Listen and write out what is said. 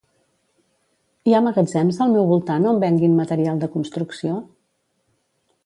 Hi ha magatzems al meu voltant on venguin material de construcció?